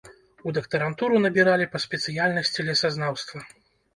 У дактарантуру набіралі па спецыяльнасці лесазнаўства.